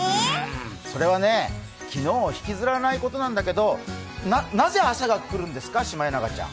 それはね、昨日を引きずらないことなんだけど、なぜ朝が来るんですか、シマエナガちゃん。